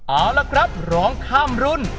เอาละครับร้องข้ามรุ่น